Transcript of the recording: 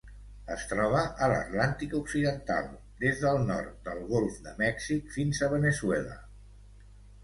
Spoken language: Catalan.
Es troba a l'Atlàntic occidental: des del nord del Golf de Mèxic fins a Veneçuela.